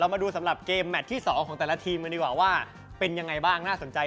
มาดูสำหรับเกมแมทที่๒ของแต่ละทีมกันดีกว่าว่าเป็นยังไงบ้างน่าสนใจ